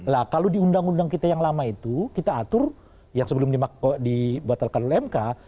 nah kalau di undang undang kita yang lama itu kita atur yang sebelum dibatalkan oleh mk